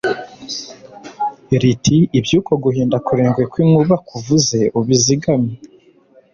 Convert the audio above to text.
riti “Iby’ uko guhinda kurindwi kw’inkuba kuvuze ubizigame